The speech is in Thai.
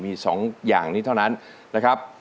มี๒อย่างนี้เท่านั้นนะครับ